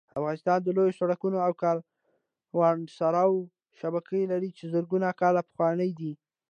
افغانستان د لویو سړکونو او کاروانسراوو شبکه لري چې زرګونه کاله پخوانۍ ده